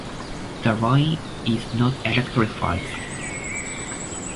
The line is not electrified.